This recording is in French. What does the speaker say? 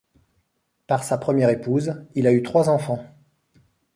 Par sa première épouse, il a eu trois enfants;